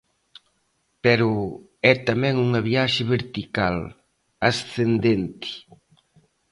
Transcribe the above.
Pero é tamén unha viaxe vertical, ascendente.